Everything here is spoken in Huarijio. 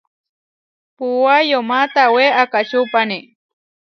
Puúa yomá tawé akačupani.